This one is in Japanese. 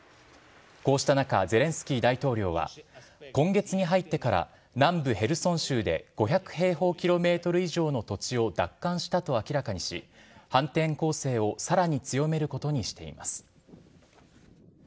こうした中ゼレンスキー大統領は今月に入ってから南部ヘルソン州で５００平方ｋｍ以上の土地を奪還したと明らかにし反転攻勢をさらに強めることにしています。